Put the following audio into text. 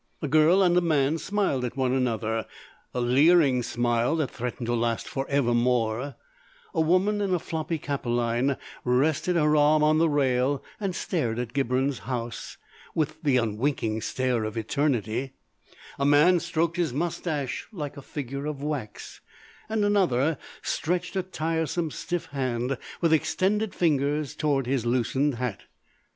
A girl and a man smiled at one another, a leering smile that threatened to last for evermore; a woman in a floppy capelline rested her arm on the rail and stared at Gibberne's house with the unwinking stare of eternity; a man stroked his moustache like a figure of wax, and another stretched a tiresome stiff hand with extended fingers towards his loosened hat.